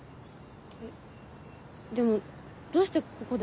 えっでもどうしてここで？